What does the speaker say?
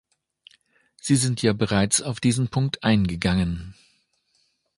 Sie sind ja bereits auf diesen Punkt eingegangen.